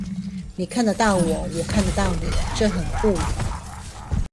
你看得到我，我看得到你，這很物理